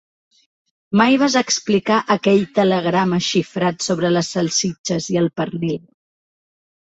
Mai vas explicar aquell telegrama xifrat sobre les salsitxes i el pernil.